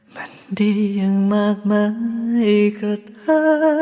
มันดีอย่างมากมายกับเธอ